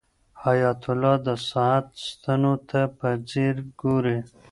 حیات الله د ساعت ستنو ته په ځیر ګوري.